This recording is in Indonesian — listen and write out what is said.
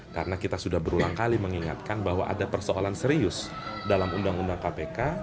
karena kita sudah berulang kali mengingatkan bahwa ada persoalan serius dalam undang undang kpk